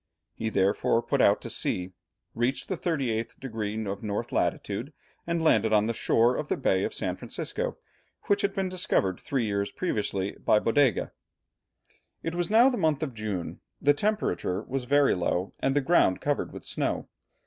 He therefore put out to sea, reached the 38 degrees of north latitude, and landed on the shore of the Bay of San Francisco, which had been discovered three years previously by Bodega. It was now the month of June, the temperature was very low, and the ground covered with snow.